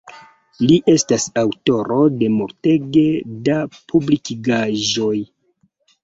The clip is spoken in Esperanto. Li estas aŭtoro de multege da publikigaĵoj.